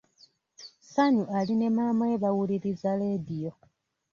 Ssanyu ali ne maama we bawuliriza leediyo.